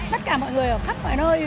tất cả mọi người ở khắp mọi nơi